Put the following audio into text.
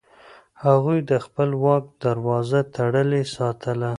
هغوی د خپل واک دروازه تړلې ساتله.